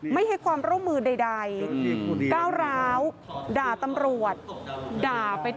ไม่ให้ความร่วมมือใด